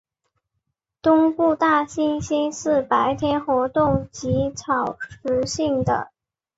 东部大猩猩是白天活动及草食性的。